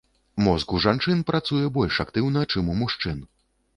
Мозг у жанчын працуе больш актыўна, чым у мужчын.